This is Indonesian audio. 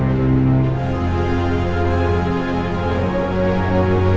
jangan tuh nyarut